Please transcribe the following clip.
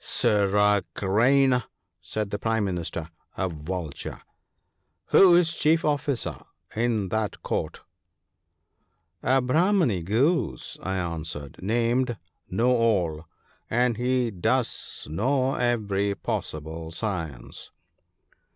' Sirrah Crane !' said the Prime Minister, a Vulture, ' who is chief officer in that court ?' 'A Brahmany Goose/ I answered, 'named "Know, all ;" and he does know every possible science.'